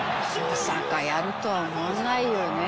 「まさかやるとは思わないよね」